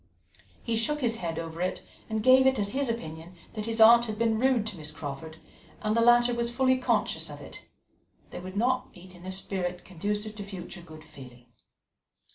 He shook his head over it, and gave it as his opinion that as his aunt had been rude to Miss Crawford, and the latter was fully conscious of it, they would not meet in a spirit conducive to future good feeling.